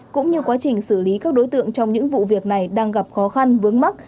cũng như quá trình xử lý các đối tượng trong những vụ việc này đang gặp khó khăn vướng mắt